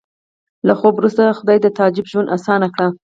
له خوب وروسته خدای د تعجب ژوند اسان کړ